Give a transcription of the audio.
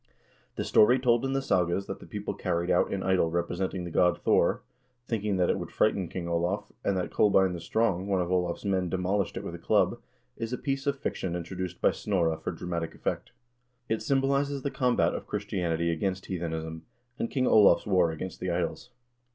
The story told in the sagas that the people carried out an idol representing the god Thor, thinking that it would frighten King Olav, and that Kolbein the Strong, one of Olav's men, demol ished it with a club, is a piece of fiction introduced by Snorre for dramatic effect. It symbolizes the combat of Christianity against heathenism, and King Olav's war against the idols.